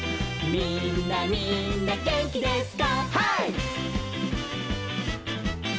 「みんなみんなげんきですか？」